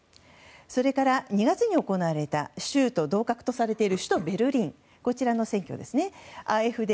それから２月に行われた州と同格とされている首都ベルリンの選挙ＡｆＤ